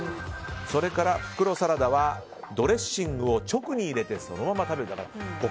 それから袋サラダはドレッシングを直に入れてそのまま食べる。